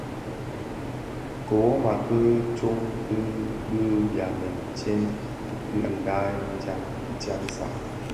Kiwoma ki tsok bi byamèn tyèn ti dhayen tyanzag.